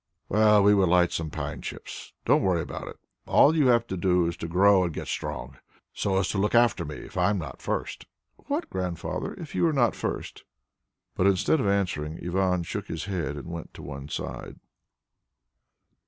"Well, we will light some pine chips. Don't worry about that. All you have to do is to grow and get strong, so as to look after me, if I am not first " "What, Grandfather? If you are not first " But instead of answering, Ivan shook his head, and went to one side.